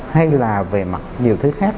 hay là về mặt nhiều thứ khác